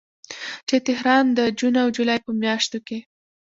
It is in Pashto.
چې تهران د جون او جولای په میاشتو کې